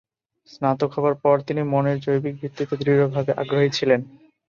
স্নাতক হবার পর তিনি মনের জৈবিক ভিত্তিতে দৃঢ়ভাবে আগ্রহী ছিলেন।